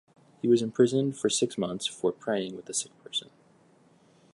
He was imprisoned for six months for praying with a sick person.